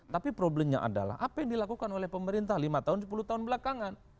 tapi problemnya adalah apa yang dilakukan oleh pemerintah lima tahun sepuluh tahun belakangan